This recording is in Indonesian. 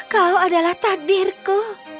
kau adalah takdirku